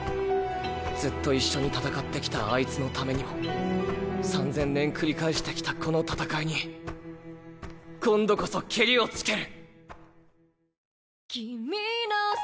ずっと一緒に戦ってきたあいつのためにも３０００年繰り返してきたこの戦いに今度こそケリをつける！